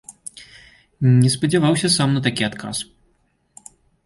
Не спадзяваўся сам на такі адказ.